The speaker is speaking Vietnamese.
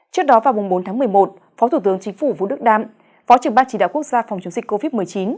trước đó vào bốn tháng một mươi một phó thủ tướng chính phủ vũ đức đam phó trưởng ban chỉ đạo quốc gia phòng chống dịch covid một mươi chín